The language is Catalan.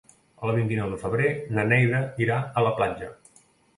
El vint-i-nou de febrer na Neida irà a la platja.